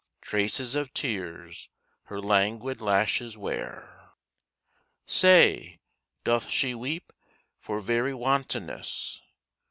Traces of tears her languid lashes wear. Say, doth she weep for very wantonness?